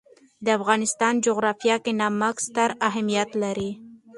د افغانستان جغرافیه کې نمک ستر اهمیت لري.